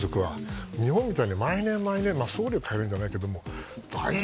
日本みたいに毎年、毎年総理を変えるわけじゃないですが。